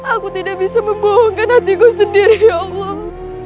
aku tidak bisa membohongkan hatiku sendiri ya allah